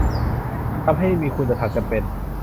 ทำให้มีคุณธรรมจำเป็น